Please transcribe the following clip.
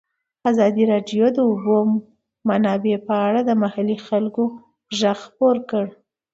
ازادي راډیو د د اوبو منابع په اړه د محلي خلکو غږ خپور کړی.